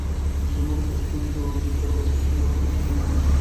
زمونږ د ستونزو ذکــــــر به بېخي ورپکښې نۀ وۀ